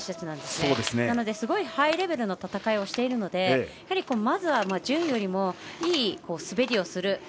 なのですごいハイレベルの戦いをしているので、まずは順位よりもいい滑りをする。